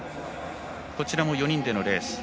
こちらも４人でのレース。